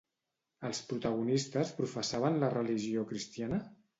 Els protagonistes professaven la religió cristiana?